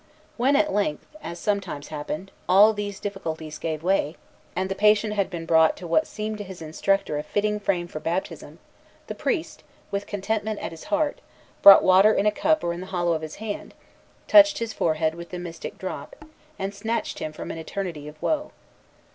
When at length, as sometimes happened, all these difficulties gave way, and the patient had been brought to what seemed to his instructor a fitting frame for baptism, the priest, with contentment at his heart, brought water in a cup or in the hollow of his hand, touched his forehead with the mystic drop, and snatched him from an eternity of woe.